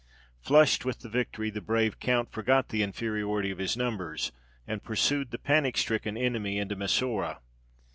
Flushed with the victory, the brave count forgot the inferiority of his numbers, and pursued the panic stricken enemy into Massoura.